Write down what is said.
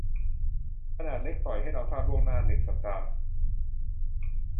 ขนาดเล็กปล่อยให้เราทราบล่วงหน้าหนึ่งสัปดาห์